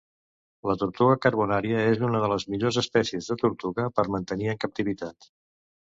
La tortuga carbonària és una de les millors espècies de tortuga per mantenir en captivitat.